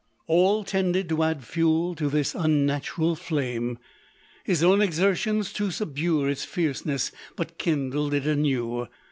All tended to add fuel to this unnatural flame. His own exertions to subdue its fierce ness but kindled it anew.